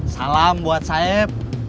salam buat saeb